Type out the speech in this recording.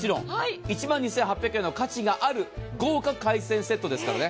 １万２８００円の価値がある豪華海鮮セットですからね。